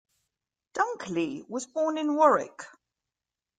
Dunckley was born in Warwick.